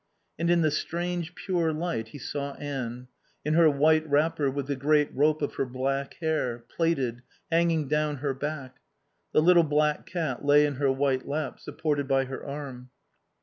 And in the strange, pure light he saw Anne, in her white wrapper with the great rope of her black hair, plaited, hanging down her back. The little black cat lay in her white lap, supported by her arm.